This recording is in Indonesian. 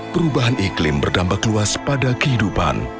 perubahan iklim berdampak luas pada kehidupan